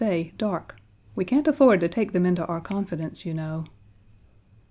Page 25 We can't afford to take them into our confidence, you know."